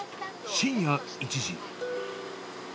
深夜１時。